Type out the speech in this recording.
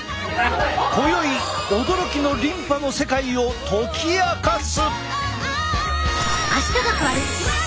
今宵驚きのリンパの世界を解き明かす！